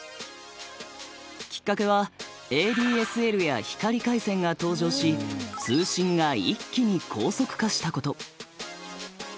きっかけはＡＤＳＬや光回線が登場し通信が一気に高速化したこと。